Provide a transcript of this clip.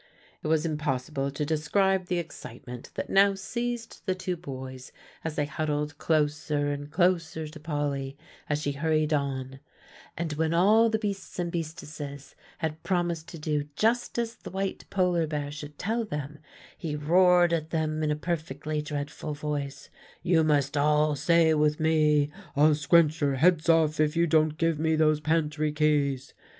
'" It was impossible to describe the excitement that now seized the two boys as they huddled closer and closer to Polly, as she hurried on, "And when all the beasts and beastesses had promised to do just as the white polar bear should tell them, he roared at them in a perfectly dreadful voice: 'You must all say with me, "I'll scrunch your heads off if you don't give me those pantry keys."